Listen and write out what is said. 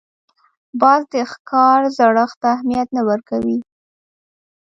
باز د ښکار زړښت ته اهمیت نه ورکوي